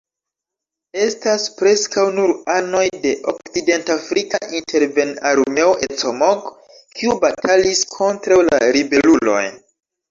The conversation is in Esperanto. Estas preskaŭ nur anoj de okcidentafrika interven-armeo Ecomog, kiu batalis kontraŭ la ribeluloj.